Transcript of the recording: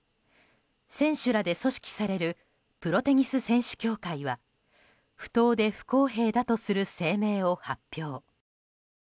選手らで組織されるプロテニス選手協会は不当で不公平だとする声明を発表。